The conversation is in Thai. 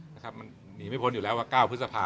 มันหนีไม่พ้นอยู่แล้วว่ากล้าวพฤษภา